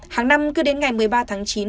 hàng năm cứ đến ngày một mươi ba tháng chín